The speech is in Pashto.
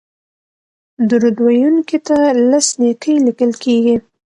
درود ویونکي ته لس نېکۍ لیکل کیږي